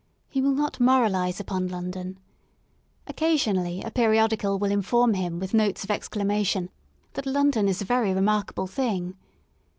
He will not moralise upon London. Occasionally a periodical will inform him with notes of exclamation, that Lon don is a very remarkable thing.